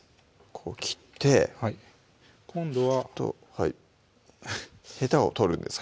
ここ切って今度はヘタを取るんですか？